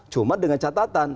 cuma dengan catatan